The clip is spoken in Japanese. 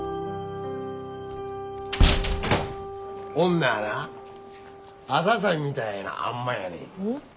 女はなアサさんみたいなあん摩やねん。